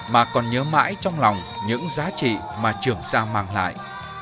mà còn nhớ mãi trong lòng những giá trị mà trường sa mang lại